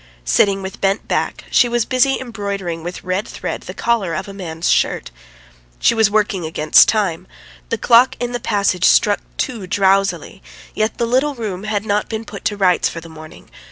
Sitting with bent back she was busy embroidering with red thread the collar of a man's shirt. She was working against time. ... The clock in the passage struck two drowsily, yet the little room had not been put to rights for the morning.